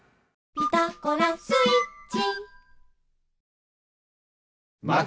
「ピタゴラスイッチ」